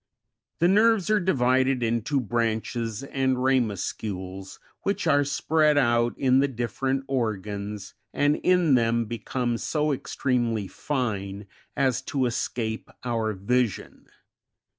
20. The nerves are divided into branches and ramuscles, which are spread out in the different organs, and in them become so extremely fine as to escape our vision.